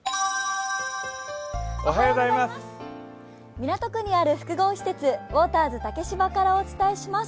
港区にある複合施設、ウォーターズ竹芝からお伝えします。